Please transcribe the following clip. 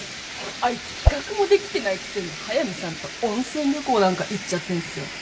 あいつ企画もできてないくせに速見さんと温泉旅行なんか行っちゃってんすよ。